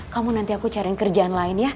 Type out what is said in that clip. kamu nanti aku cari kerjaan lain ya